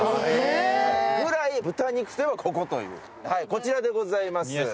こちらでございます。